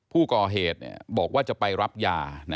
ผู้ก่อเหตุบอกว่าจะไปรับยา